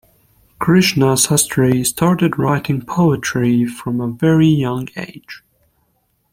Krishnasastri started writing poetry from a very young age.